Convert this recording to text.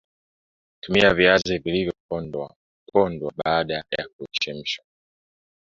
Tumia viazi vilivyopondwa pondwa baada ya kuchemshwa